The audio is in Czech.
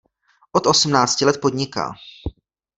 Od osmnácti let podniká.